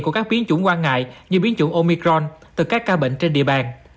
của các biến chủng quan ngại như biến chủng omicron từ các ca bệnh trên địa bàn